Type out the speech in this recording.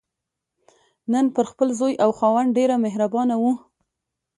نن پر خپل زوی او خاوند ډېره مهربانه وه.